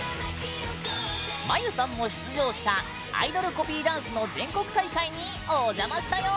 まゆさんも出場したアイドルコピーダンスの全国大会にお邪魔したよ。